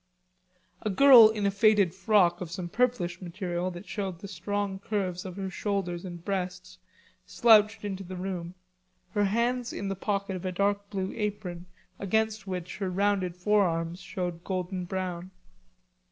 A girl in a faded frock of some purplish material that showed the strong curves of her shoulders and breasts slouched into the room, her hands in the pocket of a dark blue apron against which her rounded forearms showed golden brown.